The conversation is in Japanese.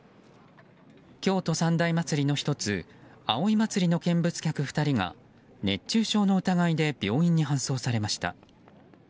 京都三大祭りの１つ葵祭の見物客の２人が熱中症の疑いで病院に搬送されました。